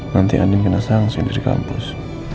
nanti andin kena sangsi di kampus